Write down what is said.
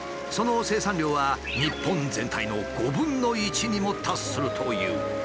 その生産量は日本全体の５分の１にも達するという。